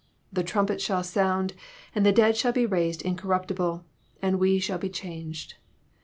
'^The trumpets shall sound, and the dead shall be raised incor ruptible, and we shall be changed."